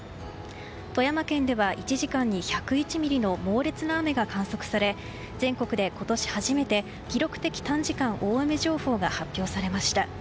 富山県では１時間に１０１ミリの猛烈な雨が観測され全国で今年初めて記録的短時間大雨情報が発表されました。